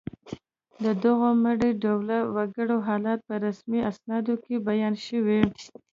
د دغو مري ډوله وګړو حالت په رسمي اسنادو کې بیان شوی